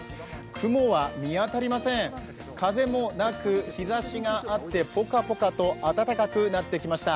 雲は見当たりません、風もなく日ざしがあって、ぽかぽかと暖かくなってきました。